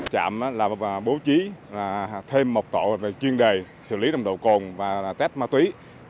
chạm là bố trí thêm một tổ chuyên đề xử lý nồng độ cồn và test ma túy